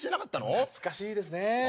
懐かしいですね。